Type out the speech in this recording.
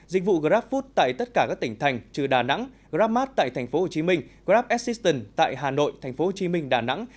dịch vụ grabfood tại tất cả các tỉnh thành trừ đà nẵng grabmart tại tp hcm grabassistance tại hà nội tp hcm đà nẵng